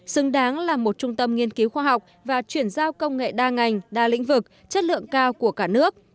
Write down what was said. xứng đáng là một trung tâm nghiên cứu khoa học và chuyển giao công nghệ đa ngành đa lĩnh vực chất lượng cao của cả nước